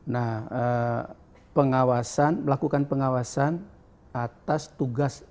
nah pengawasan melakukan pengawasan atas tugas